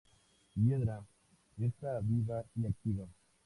Hiedra está viva y activa.